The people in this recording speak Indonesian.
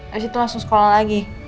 habis itu langsung sekolah lagi